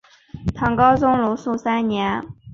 唐高宗龙朔三年。